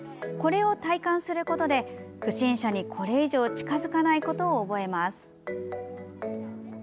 これを体感することで不審者にこれ以上近づかないことを覚えます。